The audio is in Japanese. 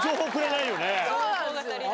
そうなんですよね。